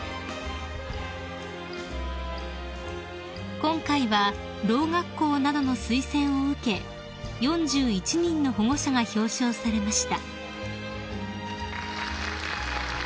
［今回はろう学校などの推薦を受け４１人の保護者が表彰されました］